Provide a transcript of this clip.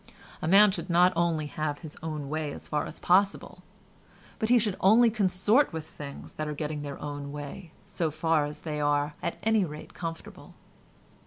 A man should not only have his own way as far as possible, but he should only consort with things that are getting their own way so far that they are at any rate comfortable.